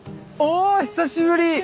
おぉ久しぶり。